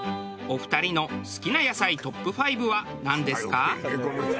お二人の好きな野菜トップ５はなんですか？